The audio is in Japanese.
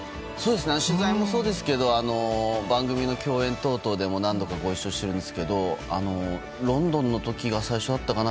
取材もそうですけど番組の共演等でも何度かご一緒していますがロンドンの時が最初だったかな。